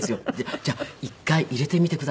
「じゃあ一回入れてみてください」とか言って。